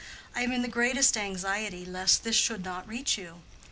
I am in the greatest anxiety lest this should not reach you.